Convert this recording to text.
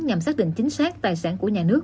nhằm xác định chính xác tài sản của nhà nước